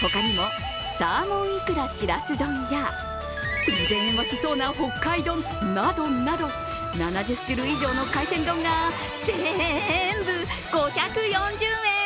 他にもサーモンいくらシラス丼やうん千円もしそうな北海丼などなど７０種類以上の海鮮丼が全部５４０円。